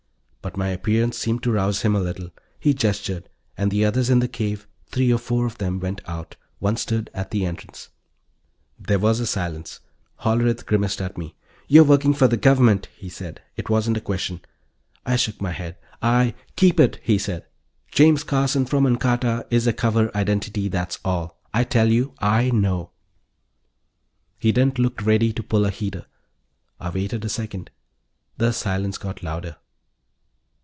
But my appearance seemed to rouse him a little. He gestured and the others in the cave three or four of them went out. One stood at the entrance. There was a silence. Hollerith grimaced at me. "You're working for the Government," he said. It wasn't a question. I shook my head. "I " "Keep it," he said. "James Carson from Ancarta is a cover identity, that's all. I tell you, I know." He didn't look ready to pull a heater. I waited a second. The silence got louder.